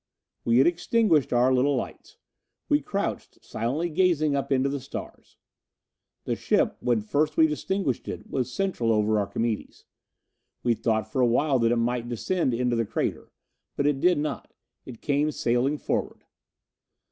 We had extinguished our little lights. We crouched, silently gazing up into the stars. The ship, when first we distinguished it was central over Archimedes. We thought for a while that it might descend into the crater. But it did not; it came sailing forward.